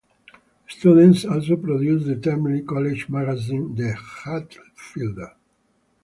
Students also produce the termly college magazine, "The Hatfielder".